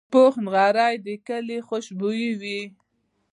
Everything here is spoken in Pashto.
پوخ نغری د کلي خوشبويي وي